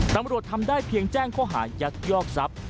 ตำรวจทำได้เพียงแจ้งข้อหายักยอกทรัพย์